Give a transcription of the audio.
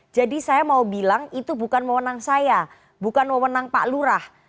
jadi saya mau bilang itu bukan mewenang saya bukan mewenang pak lurah